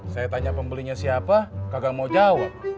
saya tanya pembelinya siapa gagal mau jawab